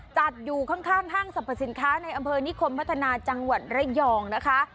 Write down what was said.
จัดอยู่ข้างห้างสรรพสินค้าในอำเภอนิคมพัฒนาจังหวัดระยองนะคะ